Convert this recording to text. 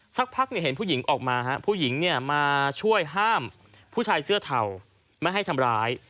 สักพักเห็นผู้หญิงออกมาผู้หญิงมาช่วยห้ามผู้ชายเสื้อเทาไม่ให้ทำร้าย